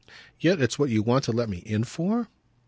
"Yet it's what you want to let me in for?"